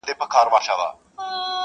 هم ښکاري وو هم ښه پوخ تجریبه کار وو.